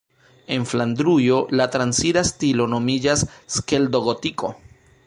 En Flandrujo la transira stilo nomiĝas Skeldo-Gotiko.